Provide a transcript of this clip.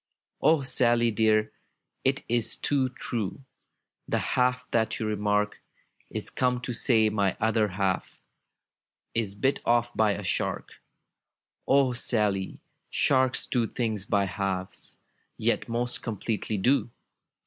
"O SaDy, dear, it is too true, — The half that you remark Is come to say my other half Is bit off by a shark! '^O Sally, sharks do things by halves. Yet most completely do!